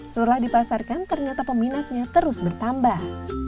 setelah dipasarkan ternyata peminatnya terus bertambah